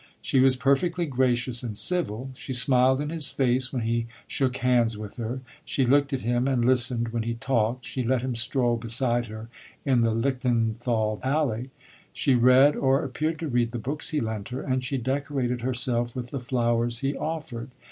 She was perfectly gracious and civil. She smiled in his face when he shook hands with her; she looked at him and listened when he talked; she let him stroll beside her in the Lichtenthal Alley; she read, or appeared to read, the books he lent her, and she decorated herself with the flowers he offered.